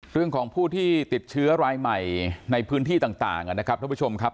เรื่องของผู้ที่ติดเชื้อรายใหม่ในพื้นที่ต่างนะครับท่านผู้ชมครับ